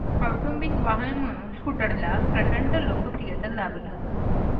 कौटुंबिक वाहन म्हणून स्कूटरला प्रचंड लोकप्रियता लाभली.